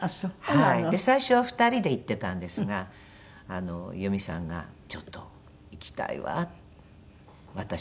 最初は２人で行ってたんですが裕美さんが「ちょっと行きたいわ私も」って言うので。